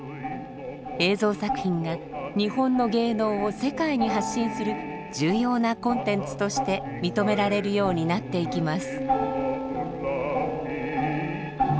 映像作品が日本の芸能を世界に発信する重要なコンテンツとして認められるようになっていきます。